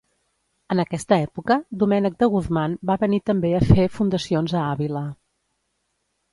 En aquesta època Domènec de Guzmán va venir també a fer fundacions a Àvila.